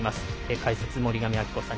解説、森上亜希子さん。